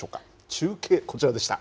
中継、こちらでした。